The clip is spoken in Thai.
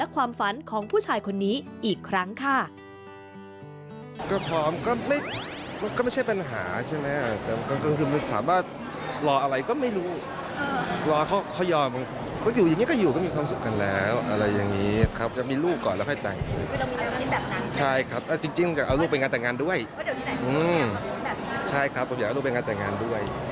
เอาลูกไปงานแต่งงานด้วยอืมใช่ครับเอาลูกไปงานแต่งงานด้วย